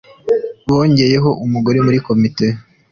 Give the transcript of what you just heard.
Bongeyeho umugore muri komite